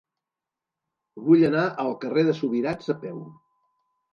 Vull anar al carrer de Subirats a peu.